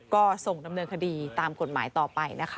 ก็ส่งดำเนินคดีตามกฎหมายต่อไปนะคะ